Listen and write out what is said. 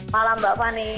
malam mbak fani